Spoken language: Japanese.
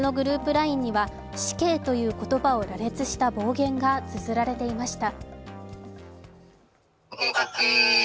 ＬＩＮＥには「死刑」という言葉を羅列した暴言がつづられていました。